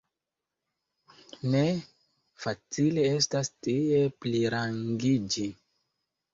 Ne facile estas tie plirangiĝi.